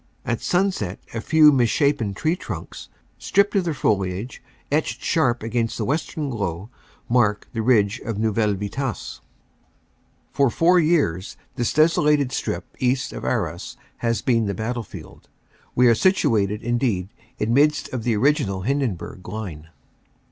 At sunset a few misshapen tree trunks, stripped of their foliage, etched sharp against the western glow, mark the ridge of Neuville Vitasse. * For four years this desolated strip east of Arras has been the battlefield. We are situate indeed in midst of the original Hindenburg line.